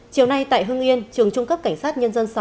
chiều nay tại hưng yên trường trung cấp cảnh sát nhân dân sáu